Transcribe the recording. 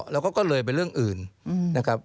แล้วก็ก็เลยเป็นเรื่องอื่นนะครับ